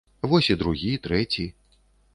Вось і другі, трэці.